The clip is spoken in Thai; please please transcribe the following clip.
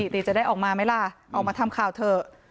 ติจะได้ออกมาไหมล่ะออกมาทำข่าวเถอะ